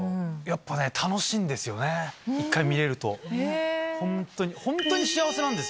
やっぱ楽しいんですよね一回見れると。